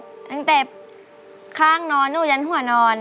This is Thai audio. ตั้งแต่ข้างนอนหนูยันหัวนอน